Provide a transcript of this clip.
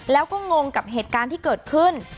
แล้วก็งงกับเหตุการณ์ที่เกิดขึ้น